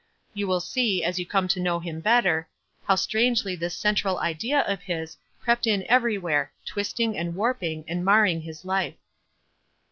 You will sec, as yon come to know him better, how strangely this central idea of his crept in every where, twisting, and warping, and marring his life.